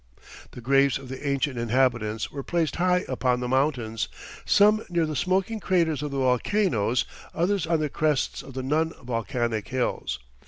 The graves of the ancient inhabitants were placed high upon the mountains, some near the smoking craters of the volcanoes, others on the crests of the non volcanic hills.